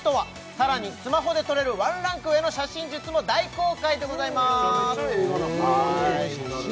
さらにスマホで撮れるワンランク上の写真術も大公開でございますめちゃめちゃええがな写真